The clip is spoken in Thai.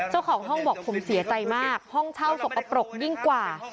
เจ้าของห้องบอกผมเสียใจมากห้องเช่าสกปรกยิ่งกว่า